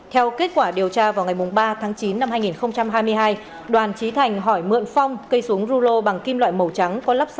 theo kết quả điều tra vào ngày ba tháng chín năm hai nghìn hai mươi hai đoàn trí thành hỏi mượn phong cây súng rulo bằng kim loại màu trắng